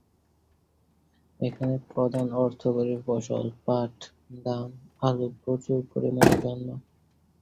এখানে প্রধান অর্থকরী ফসল পাট, ধান, আলু প্রচুর পরিমানে জন্মে।